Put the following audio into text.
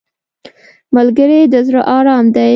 ملګری د زړه ارام دی